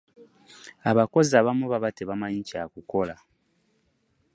abakozi abamu baba tebamanyi kyakukola.